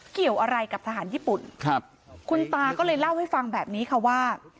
เกี่ยวอะไรกับทหารญี่ปุ่นครับคุณตาก็เลยเล่าให้ฟังแบบนี้ค่ะว่า